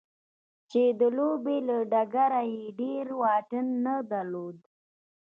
چې د لوبې له ډګره يې ډېر واټن نه درلود.